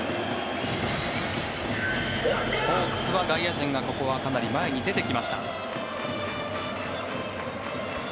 ホークスは外野陣がここはかなり前に出てきました。